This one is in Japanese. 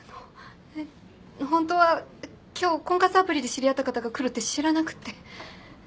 ホントは今日婚活アプリで知り合った方が来るって知らなくて。